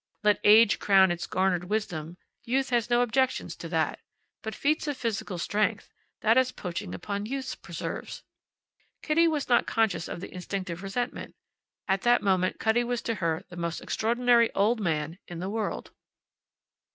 Let age crown its garnered wisdom; youth has no objections to that; but feats of physical strength that is poaching upon youth's preserves. Kitty was not conscious of the instinctive resentment. At that moment Cutty was to her the most extraordinary old man in the world.